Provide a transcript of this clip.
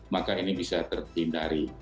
maka ini bisa terhindari